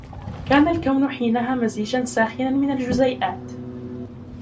كان الكون حينها مزيجا ساخنا من الجزيئات